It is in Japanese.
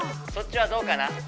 「そっちはどうかな？」。